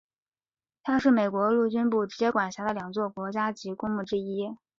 它是美国陆军部直接管辖的两座国家级公墓之一。